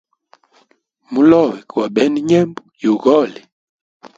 Mulowe gwa bena nyembo yugoli.